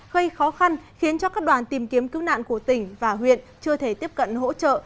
gây khó khăn khiến cho các đoàn tìm kiếm cứu nạn của tỉnh và huyện chưa thể tiếp cận hỗ trợ